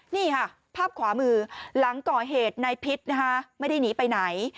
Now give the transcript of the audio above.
นี่ค่ะภาพขวามือหลังก่อเหตุนายพิษนะคะไม่ได้หนีไปไหน